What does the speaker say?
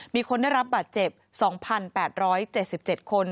มีคนได้รับบาดเจ็บ๒๘๗๗คน